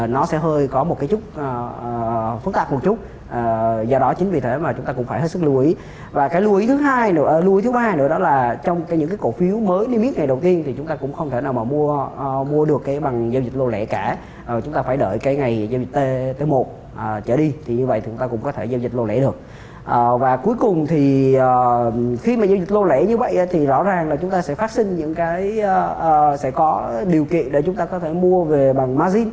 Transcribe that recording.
nó sẽ hơi có một cái chút phức tạp một chút do đó chính vì thế mà chúng ta cũng phải hết sức lưu ý và cái lưu ý thứ hai lưu ý thứ ba nữa đó là trong cái những cái cổ phiếu mới đi biết ngày đầu tiên thì chúng ta cũng không thể nào mà mua mua được cái bằng giao dịch lô lễ cả chúng ta phải đợi cái ngày tới một trở đi thì như vậy thì chúng ta cũng có thể giao dịch lô lễ được và cuối cùng thì khi mà giao dịch lô lễ như vậy thì rõ ràng là chúng ta sẽ phát sinh những cái sẽ có điều kiện để chúng ta có thể mua về bằng margin